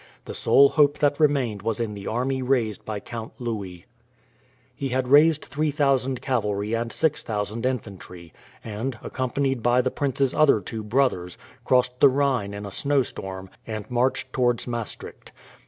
The sole hope that remained was in the army raised by Count Louis. He had raised 3000 cavalry and 6000 infantry, and, accompanied by the prince's other two brothers, crossed the Rhine in a snowstorm and marched towards Maastricht.